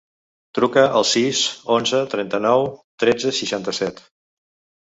Truca al sis, onze, trenta-nou, tretze, seixanta-set.